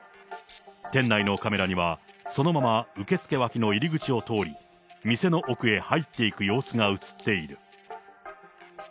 店内のカメラには、そのまま受付脇の入り口を通り、店の奥へ入っていく様子が写っている。